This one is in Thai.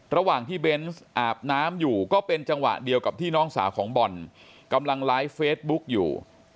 ระหว่างที่เบนส์อาบน้ำอยู่ก็เป็นจังหวะเดียวกับที่น้องสาวของบอลกำลังไลฟ์เฟซบุ๊กอยู่